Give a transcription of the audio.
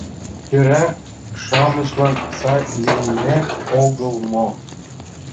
Тӧра-шамычлан сай лийнет огыл мо?